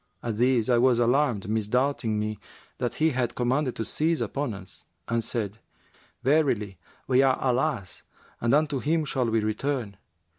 At this I was alarmed, misdoubting me that he had commanded to seize upon us, and said, 'Verily we are Allah's and unto Him shall we return!